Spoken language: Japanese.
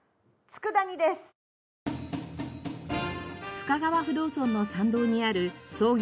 深川不動尊の参道にある創業